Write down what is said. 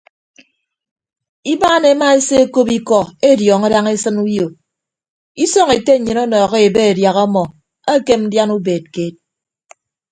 Ibaan ema esekop ikọ ediọọñọ daña esịn uyo isọñ ete nnyịn ọnọhọ ebe adiaha ọmọ ekem ndian ubeed keed.